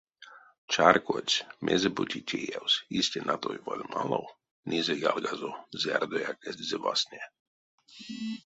Чарькодсь: мезе-бути теевсь, истя, натой вальмало, низэ-ялгазо зярдояк эзизе вастне.